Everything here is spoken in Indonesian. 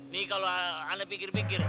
nih kalau anda pikir pikir